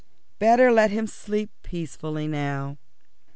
Better let him sleep peacefully now.